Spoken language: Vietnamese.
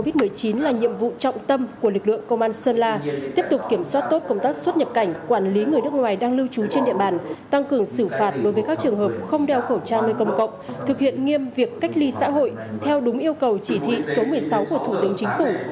covid một mươi chín là nhiệm vụ trọng tâm của lực lượng công an sơn la tiếp tục kiểm soát tốt công tác xuất nhập cảnh quản lý người nước ngoài đang lưu trú trên địa bàn tăng cường xử phạt đối với các trường hợp không đeo khẩu trang nơi công cộng thực hiện nghiêm việc cách ly xã hội theo đúng yêu cầu chỉ thị số một mươi sáu của thủ tướng chính phủ